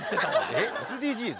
えＳＤＧｓ？